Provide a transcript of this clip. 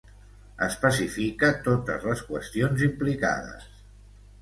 Especifica totes les qüestions implicades.